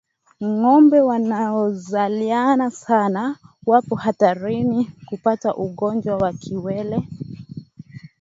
Ngombe wanaozaliana sana wapo hatarini kupata ugonjwa wa kiwele